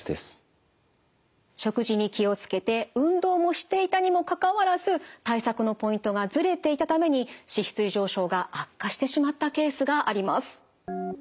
食事に気を付けて運動もしていたにもかかわらず対策のポイントがずれていたために脂質異常症が悪化してしまったケースがあります。